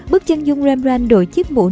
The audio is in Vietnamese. bức tranh dung rembrandt đổi chiếc mũi